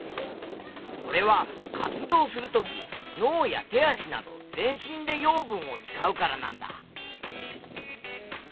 これは活動するとき脳や手足など全身で養分を使うからなんだ。